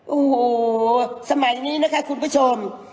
โอ้โหสมัยนี้นะคะคุณผู้ชม